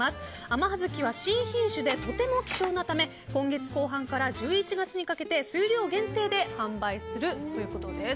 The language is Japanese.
あまはづきは新品種でとても希少なため、今月後半から１１月にかけて数量限定で販売するということです。